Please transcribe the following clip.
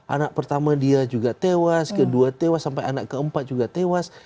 anak pertama dia juga tewas kedua tewas sampai anak keempat juga tewas